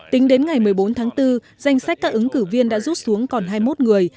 tính đến ngày một mươi bốn tháng bốn danh sách các ứng cử viên đã rút xuống còn hai mươi một người